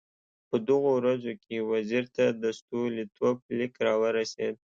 په دغو ورځو کې وزیر ته د ستولیتوف لیک راورسېد.